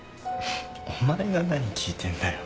お前が何聞いてんだよ。